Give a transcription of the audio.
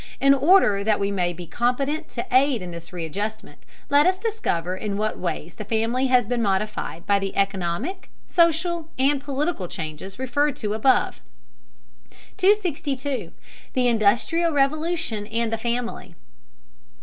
In order that we may be competent to aid in this readjustment, let us discover in what ways the family has been modified by the economic, social, and political changes referred to above. 262. THE INDUSTRIAL REVOLUTION AND THE FAMILY.